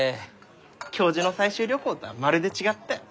教授の採集旅行とはまるで違ったよ。